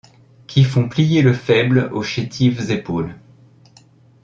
Qui font plier le faible aux chétives épaules.